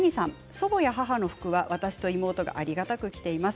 祖母や母の服は私と妹がありがたく着ています。